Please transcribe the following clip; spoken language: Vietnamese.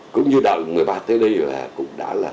cũng như đảng một mươi ba tới đây là cũng đã là